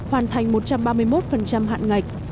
hoàn thành một trăm ba mươi một hạn ngạch